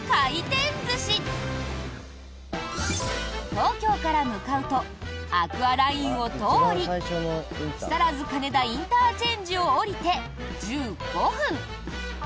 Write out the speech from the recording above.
東京から向かうとアクアラインを通り木更津金田ＩＣを降りて１５分。